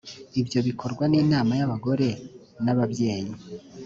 ibyo bikorwa n’inama y’abagore n’ababyeyi